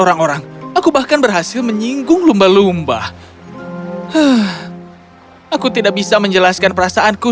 orang orang aku bahkan berhasil menyinggung lumba lumba aku tidak bisa menjelaskan perasaanku